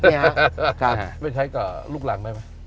ไม่ใช้กับลูกหลังได้ไหม